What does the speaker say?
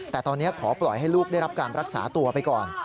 แต่ตอนนี้ขอปล่อยให้ลูกได้รับการรักษาตัวไปก่อน